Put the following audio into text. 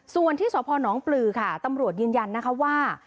ส่วนที่ศพหนองปลื๊ผมรวดยืนยันนะคะว่า